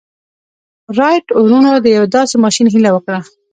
رایټ وروڼو د یوه داسې ماشين هیله وکړه